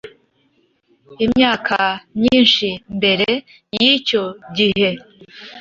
Imyaka myinshi mbere y’icyo gihe,